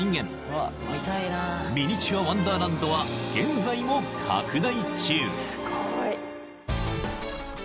［ミニチュアワンダーランドは現在も拡大中］